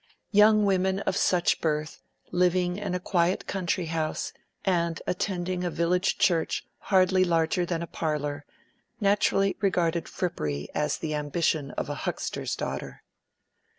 Young women of such birth, living in a quiet country house, and attending a village church hardly larger than a parlor, naturally regarded frippery as the ambition of a huckster's daughter.